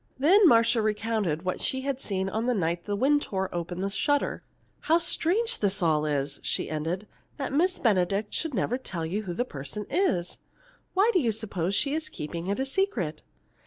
Then Marcia recounted what she had seen on the night the wind tore open the shutter. "How strange this all is," she ended, "that Miss Benedict should never tell you who this person is! Why do you suppose she is keeping it a secret?"